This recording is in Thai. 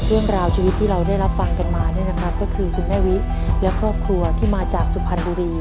เรื่องราวชีวิตที่เราได้รับฟังกันมาเนี่ยนะครับก็คือคุณแม่วิและครอบครัวที่มาจากสุพรรณบุรี